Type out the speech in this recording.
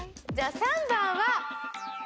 ３番は。